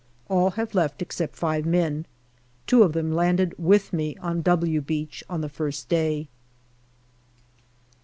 All have left except five men. Two of them landed with me on " W " Beach on the first day.